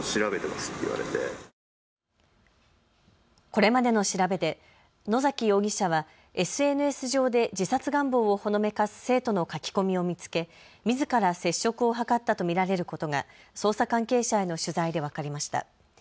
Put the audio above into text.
これまでの調べで野崎容疑者はＳＮＳ上で自殺願望をほのめかす生徒の書き込みを見つけみずから接触を図ったと見られることが捜査関係者への取材で分かりました。